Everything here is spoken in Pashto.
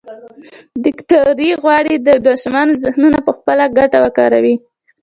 دیکتاتوري غواړي د ماشومانو ذهنونه پخپله ګټه وکاروي.